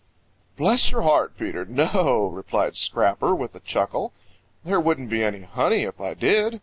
"Bless your heart, Peter, no," replied Scrapper with a chuckle. "There wouldn't be any honey if I did.